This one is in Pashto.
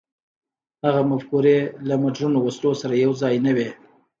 هغه مفکورې له مډرنو وسلو سره یو ځای نه وې.